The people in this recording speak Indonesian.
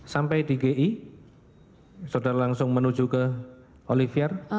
sampai di gi saudara langsung menuju ke olivier